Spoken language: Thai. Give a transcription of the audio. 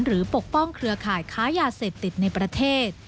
ปกป้องเครือข่ายค้ายาเสพติดในประเทศ